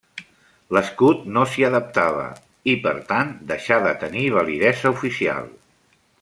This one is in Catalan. L'escut no s'hi adaptava i, per tant, deixà de tenir validesa oficial.